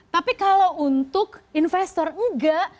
tapi kalau untuk investor enggak